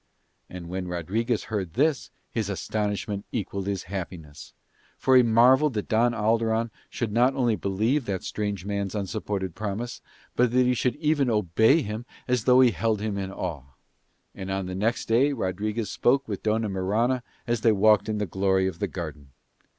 And when Rodriguez heard this his astonishment equalled his happiness, for he marvelled that Don Alderon should not only believe that strange man's unsupported promise, but that he should even obey him as though he held him in awe. And on the next day Rodriguez spoke with Dona Mirana as they walked in the glory of the garden.